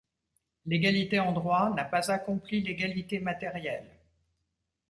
L'égalité en droit n'a pas accompli l'égalité matérielle.